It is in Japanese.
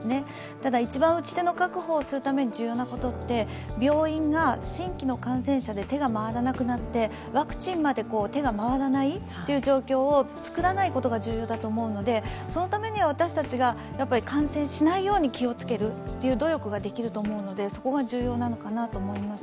ただ、一番、打ち手の確保をするのに重要なことって、病院が新規の感染者が手が回らなくなってワクチンまで手が回らないっていう状況を作らないことが重要だと思うのでそのためには私たちが、感染しないように気をつける努力ができる思うので、そこが重要なのかなと思います。